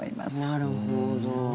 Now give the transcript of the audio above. なるほど。